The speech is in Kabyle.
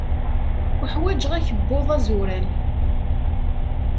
Uḥwaǧeɣ akebbuḍ azuran.